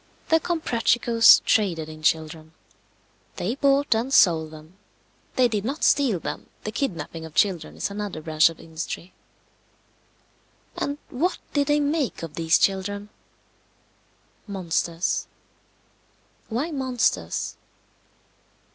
The Comprachicos traded in children. They bought and sold them. They did not steal them. The kidnapping of children is another branch of industry. And what did they make of these children? Monsters. Why monsters?